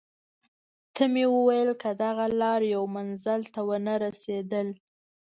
ته مې وویل: که دغه لار یو منزل ته ونه رسېدل.